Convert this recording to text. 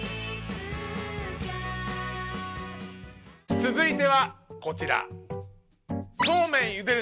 続いてはこちら。